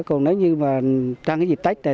còn nếu như trong cái dịp tết này